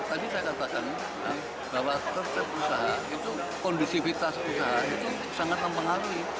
tadi saya katakan bahwa kerja perusahaan itu kondusivitas perusahaan itu sangat mempengaruhi